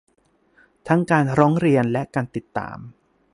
ทั้งการร้องเรียนและ การติดตาม